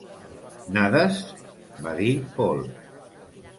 "Nades?" va dir Paul.